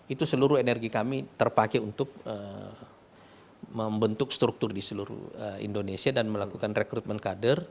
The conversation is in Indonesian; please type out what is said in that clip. itu seluruh energi kami terpakai untuk membentuk struktur di seluruh indonesia dan melakukan rekrutmen kader